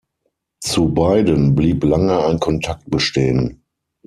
Zu beiden blieb lange ein Kontakt bestehen.